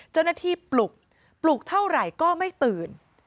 เจ้าหน้าที่ปลุกปลุกเท่าไหร่ก็ไม่ตื่น